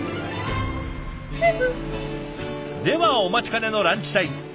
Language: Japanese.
ではお待ちかねのランチタイム。